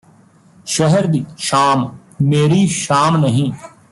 ਸ਼ਹਿਰ ਦੀ ਸ਼ਾਮ ਮੇਰੀ ਸ਼ਾਮ ਨਹੀਂ